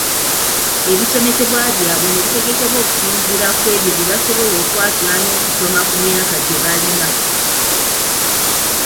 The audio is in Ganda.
Ebisomesebwa byabwe ne bitegekebwa okusinziira ku ebyo bye basobola okwatula n’okusoma ku myaka gye balina.